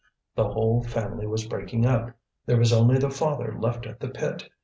The whole family was breaking up. There was only the father left at the pit.